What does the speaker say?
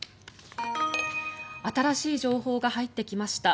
新しい情報が入ってきました。